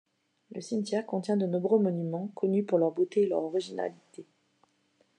Le cimetière contient de nombreux monuments connus pour leur beauté et leur originalité.